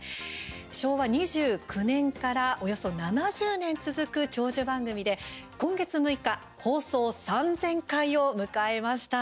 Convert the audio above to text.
昭和２９年からおよそ７０年続く長寿番組で今月６日、放送３０００回を迎えました。